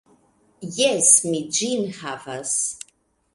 Jes, mi ĝin havas.